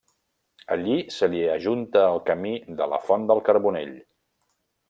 Allí se li ajunta el camí de la Font del Carbonell.